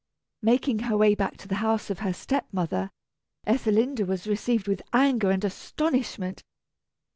Making her way back to the house of her step mother, Ethelinda was received with anger and astonishment.